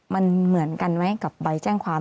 มันเหมือนกันไหมกับใบแจ้งความ